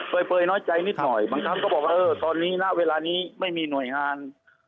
เปยน้อยใจนิดหน่อยบางครั้งก็บอกว่าเออตอนนี้ณเวลานี้ไม่มีหน่วยงาน